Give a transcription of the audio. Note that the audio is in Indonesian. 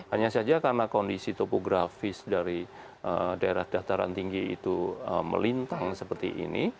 hanya saja karena kondisi topografis dari daerah dataran tinggi itu melintang seperti ini